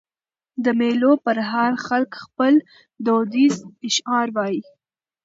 د مېلو پر مهال خلک خپل دودیز اشعار وايي.